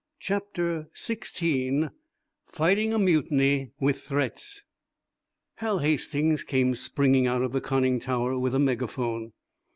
CHAPTER XVI FIGHTING A MUTINY WITH THREATS Hal Hastings came springing out of the conning tower with a megaphone.